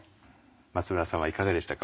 松村さんはいかがでしたか？